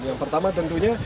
yang pertama tentunya